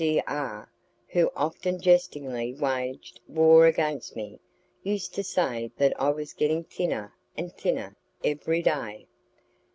D R , who often jestingly waged war against me, used to say that I was getting thinner and thinner every day.